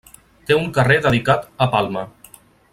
Té un carrer dedicat a Palma.